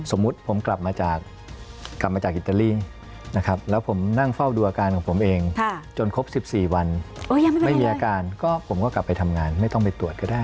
สมมุติผมกลับมาจากกลับมาจากอิตาลีนะครับแล้วผมนั่งเฝ้าดูอาการของผมเองจนครบ๑๔วันไม่มีอาการก็ผมก็กลับไปทำงานไม่ต้องไปตรวจก็ได้